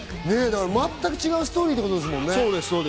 全く違うストーリーってことですもんね。